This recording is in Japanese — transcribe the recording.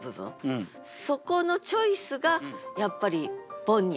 そこのチョイスがやっぱりボンに。